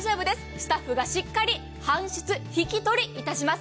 スタッフがしっかり搬出・引き取りいたします。